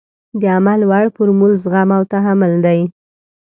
د عمل وړ فورمول زغم او تحمل دی.